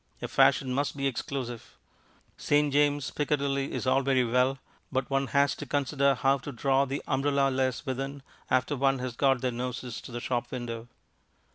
A fashion must be exclusive. St. James, Piccadilly, is all very well, but one has also to consider how to draw the umbrella less within after one has got their noses to the shop window.